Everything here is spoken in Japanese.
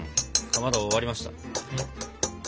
かまど終わりました。